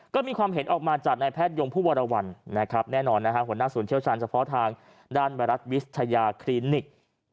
ก็มีความเห็นออกมาจากนายแพทยงผู้วรวรรณแน่นอนหัวหน้าศูนย์เชี่ยวชาญเฉพาะทางด้านไวรัสวิทยาคลินิก